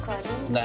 何！？